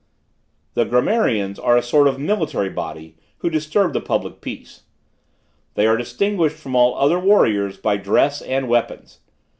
"The grammarians are a sort of military body, who disturb the public peace. They are distinguished from all other warriors, by dress and weapons.